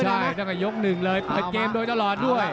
ใช่ตั้งแต่ยก๑เลยเพิ่งเปิดเกมด้วยตลอดด้วย